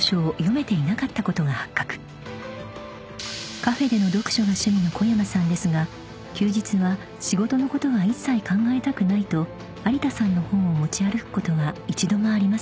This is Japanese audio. ［カフェでの読書が趣味の小山さんですが休日は仕事のことは一切考えたくないと有田さんの本を持ち歩くことは一度もありませんでした］